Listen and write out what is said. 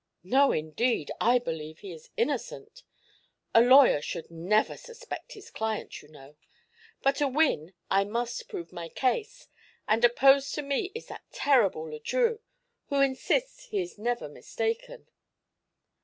"No, indeed; I believe he is innocent. A lawyer should never suspect his client, you know. But to win I must prove my case, and opposed to me is that terrible Le Drieux, who insists he is never mistaken."